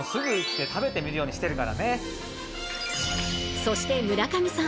そして村上さん